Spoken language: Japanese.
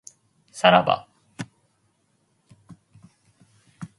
さらば